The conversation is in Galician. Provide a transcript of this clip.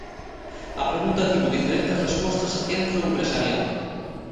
Á pregunta tivo diferentes respostas entre o empresariado.